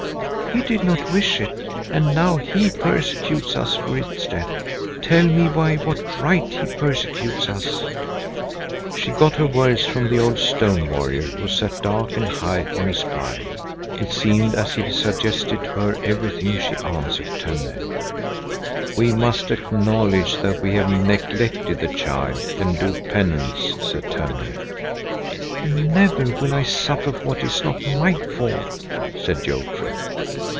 He did not wish it, and now He persecutes us for its death. Tell me by what right He persecutes us?" She got her words from the old stone warrior, who sat dark and high on his pile. It seemed as if he suggested to her everything she answered Tönne. "We must acknowledge that we have neglected the child, and do penance," said Tönne. "Never will I suffer for what is not my fault," said Jofrid.